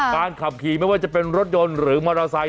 การขับขี่ไม่ว่าจะเป็นรถยนต์หรือมอเตอร์ไซค